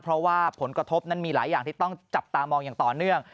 เพราะว่าผลกระทบนั้นมีหลายอย่างที่ต้องจับตามองอย่างต่อเนื่อง